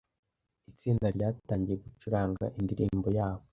Itsinda ryatangiye gucuranga indirimbo yabo.